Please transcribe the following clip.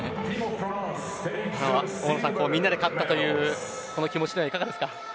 みんなで勝ったというこの気持ちは、いかがですか。